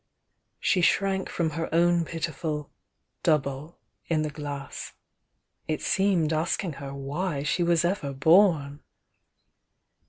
She shrank from her own pitiful "double" in the glass, — it seemed asking her why she was ever bom !